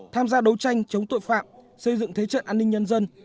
tham gia đấu tranh chống tội phạm xây dựng thế trận an ninh nhân dân